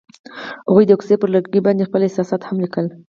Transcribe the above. هغوی د کوڅه پر لرګي باندې خپل احساسات هم لیکل.